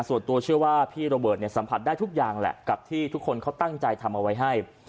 ส่วนตัวเชื่อว่าพี่โรเบิร์ตเนี่ยสัมผัสได้ทุกอย่างแหละกับที่ทุกคนเขาตั้งใจทำเอาไว้ให้